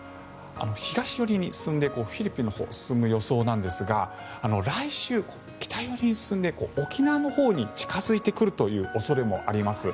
東寄りに進んでフィリピンのほうに進む予想なんですが来週、北寄りに進んで沖縄のほうに近付いてくる恐れもあります。